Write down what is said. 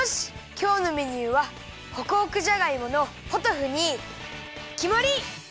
きょうのメニューはホクホクじゃがいものポトフにきまり！